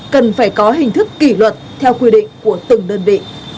cần phải có hình thức kỷ luật theo quy định của từng đơn vị